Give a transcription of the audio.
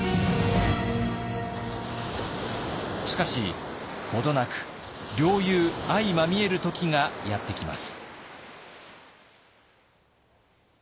しかし程なく両雄相まみえる時がやってきます。